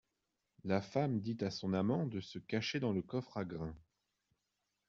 La femme dit à son amant de se cacher dans le coffre à grain.